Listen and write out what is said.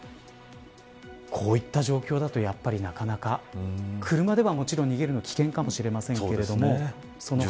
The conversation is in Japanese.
こういった状況だとやはりなかなか車では、もちろん逃げるのは危険かもしれません。